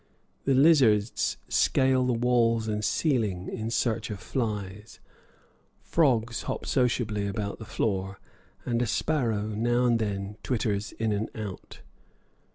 The lizards scale the walls and ceiling in search of flies, frogs hop sociably about the floor, and a sparrow now and then twitters in and out.